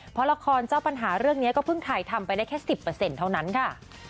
เพราะละครเจ้าปัญหาเรื่องนี้ก็เพิ่งถ่ายทำไปได้แค่๑๐เท่านั้นค่ะ